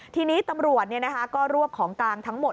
ทีนี้ตำรวจก็รวบของกลางทั้งหมด